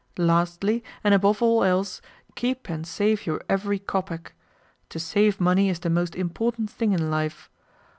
Lastly, and above all else, keep and save your every kopeck. To save money is the most important thing in life.